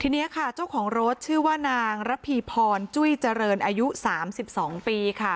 ทีนี้ค่ะเจ้าของรถชื่อว่านางระพีพรจุ้ยเจริญอายุ๓๒ปีค่ะ